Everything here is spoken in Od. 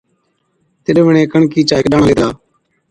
تِڏ وِڻهين ڪڻڪِي چا هيڪ ڏاڻا ليڌلا۔